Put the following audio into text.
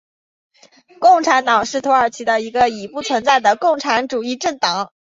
共产党是土耳其的一个已不存在的共产主义政党。